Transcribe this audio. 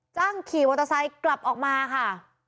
ขี่มอเตอร์ไซค์กลับออกมาค่ะ